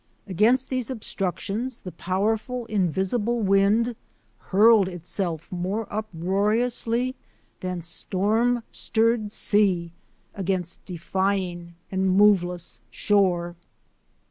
Against these obstructions the powerful, invisible wind hurled itself more uproariously than storm stirred sea against defying and moveless shore.